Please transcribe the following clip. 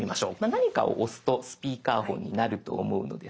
何かを押すとスピーカーフォンになると思うのですが。